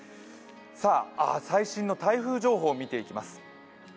最新の台風情報を見ていきます。